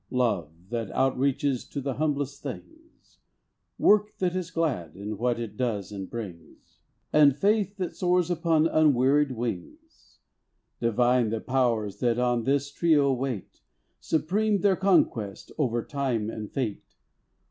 Love, that outreaches to the humblest things; Work that is glad, in what it does and brings; And faith that soars upon unwearied wings. Divine the Powers that on this trio wait. Supreme their conquest, over Time and Fate.